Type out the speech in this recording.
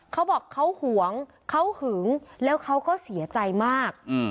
เขาบอกเขาหวงเขาหึงแล้วเขาก็เสียใจมาก